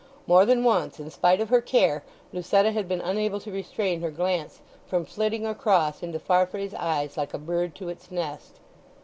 More than once, in spite of her care, Lucetta had been unable to restrain her glance from flitting across into Farfrae's eyes like a bird to its nest.